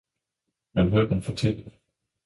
men hør den fortælle.